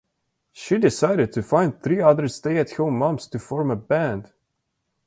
She decided to find three other stay-at-home moms to form a band.